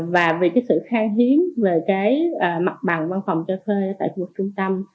và vì cái sự khan hiếm về cái mặt bằng văn phòng cho thuê tại khu vực trung tâm